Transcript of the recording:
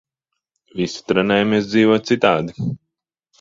Visi trenējamies dzīvot citādi.